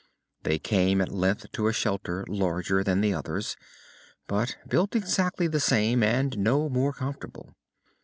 They came at length to a shelter larger than the others, but built exactly the same and no more comfortable.